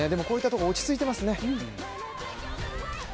こういったところ、落ち着いていますね。